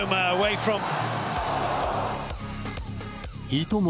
いとも